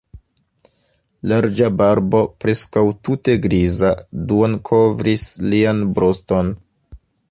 Larĝa barbo, preskaŭ tute griza, duonkovris lian bruston.